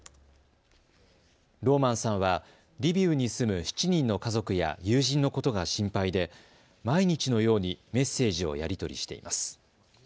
ローマンさんはリビウに住む７人の家族や友人のことが心配で毎日のようにメッセージをやり取りしています。